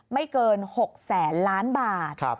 ไม่เกิน๖แสนล้านบาท